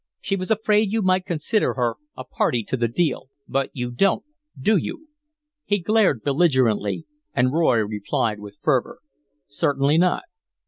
She was afraid you might consider her a party to the deal, but you don't, do you?" He glared belligerently, and Roy replied, with fervor: "Certainly not.